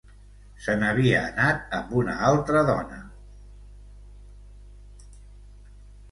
Se n'havia anat amb una altra dona.